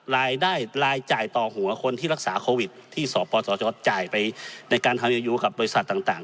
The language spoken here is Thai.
รายรายจ่ายต่อหัวคนที่รักษาโควิดที่สปสชจ่ายไปในการทำยูกับบริษัทต่าง